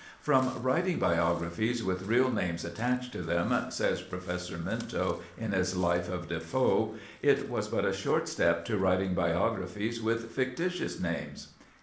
"From writing biographies with real names attached to them," says Professor Minto, in his Life of Defoe, "it was but a short step to writing biographies with fictitious names."